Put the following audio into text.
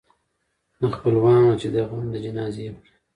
نه خپلوان وه چي دي غم د جنازې کړي